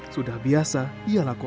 sudah biasa ialah kota